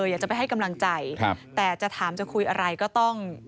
อยากจะไปให้กำลังใจแต่จะถามจะคุยอะไรก็ต้อง